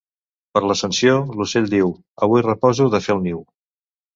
Per l'Ascensió, l'ocell diu: «Avui reposo de fer el niu».